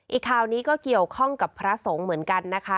อีกข่าวนี้ก็เกี่ยวข้องกับพระสงฆ์เหมือนกันนะคะ